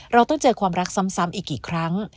เราต้องเจอความรักซ้ำอีกกี่ครั้ง